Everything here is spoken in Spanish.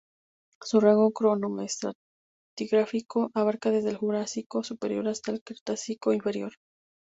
Su rango cronoestratigráfico abarca desde el Jurásico superior hasta el Cretácico inferior.